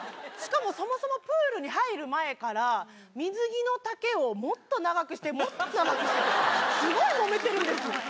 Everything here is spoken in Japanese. しかもそもそもプールに入る前から水着の丈をもっと長くしてもっと長くしてとスゴいもめてるんです。